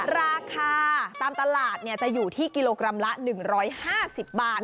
ราคาตามตลาดจะอยู่ที่กิโลกรัมละ๑๕๐บาท